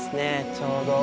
ちょうど。